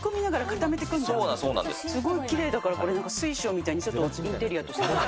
すごいきれいだから、これなんか水晶みたいにインテリアとして。